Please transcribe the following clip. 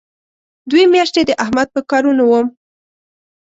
دوې میاشتې د احمد په کارونو وم.